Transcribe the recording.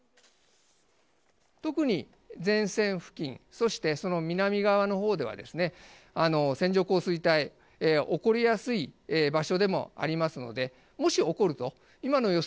特に前線付近、そして、その南側のほうではですね、線状降水帯、起こりやすい場所でもありますので、もし起こると、今の予想